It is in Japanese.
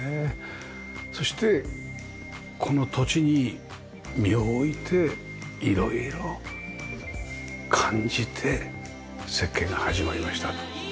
そしてこの土地に身を置いて色々感じて設計が始まりました。